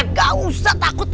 nggak usah takut